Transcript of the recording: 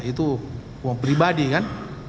itu uang pribadi kan